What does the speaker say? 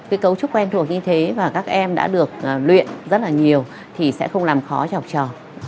cái cấu trúc quen thuộc như thế và các em đã được luyện rất là nhiều thì sẽ không làm khó cho học trò